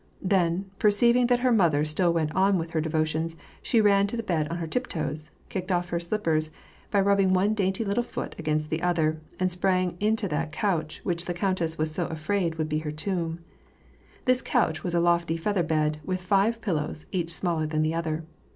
Then, perceiving that her mother still went on with her devo tions, she ran to the bed on her tiptoes, kicked off her slippers by rubbing one dainty little foot against the other, and sprang into that couch which the countess was so afraid would be her tomb. This couch was a lofty feather bed, with five pillows, each smaller than the other.